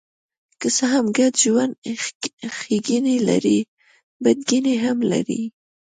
که څه هم ګډ ژوند ښېګڼې لري، بدګڼې هم لري.